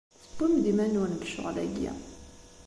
Tewwim-d iman-nwen deg ccɣel-agi.